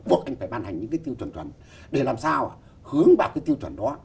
buộc anh phải ban hành những cái tiêu chuẩn chuẩn để làm sao hướng vào cái tiêu chuẩn đó